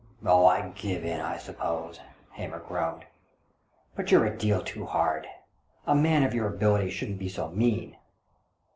" Oh, I give in, I suppose," Hamer groaned. "But you're a deal too hard. A man of your abilities shouldn't be so mean."